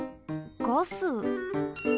ガス？